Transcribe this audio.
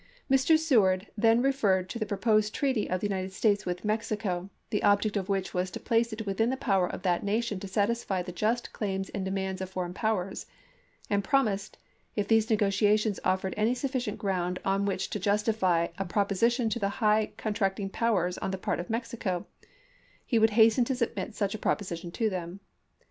Mr. Seward then re ferred to the proposed treaty of the United States with Mexico, the object of which was to place it within the power of that nation to satisfy the just claims and demands of foreign powers, and prom ised, if these negotiations offered any sufficient ground on which to justify a proposition to the high contracting powers on the part of Mexico, he would hasten to submit such a proposition to them.